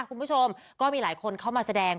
คุณผู้ชมก็มีหลายคนเข้ามาแสดง